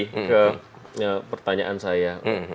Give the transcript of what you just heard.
ke pertanyaan saya